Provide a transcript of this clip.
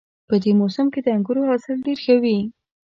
په دې موسم کې د انګورو حاصل ډېر ښه وي